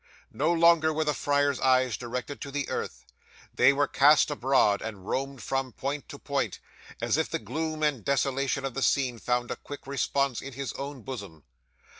'No longer were the friar's eyes directed to the earth; they were cast abroad, and roamed from point to point, as if the gloom and desolation of the scene found a quick response in his own bosom.